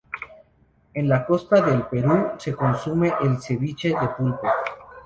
En la costa del Perú se consume el cebiche de pulpo.